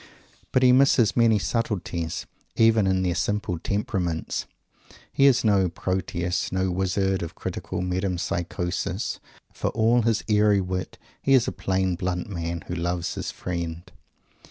But he misses many subtleties, even in their simple temperaments. He is no Proteus, no Wizard of critical metempsychosis. For all his airy wit, he is "a plain, blunt man, who loves his friend."